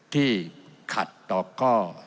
ที่ขัดต่อข้อ๔๑